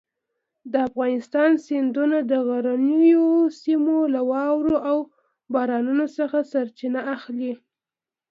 د افغانستان سیندونه د غرنیو سیمو له واورو او بارانونو څخه سرچینه اخلي.